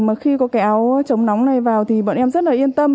mà khi có cái áo chống nóng này vào thì bọn em rất là yên tâm